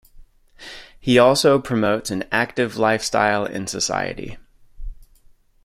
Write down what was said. He also promotes an active lifestyle in society.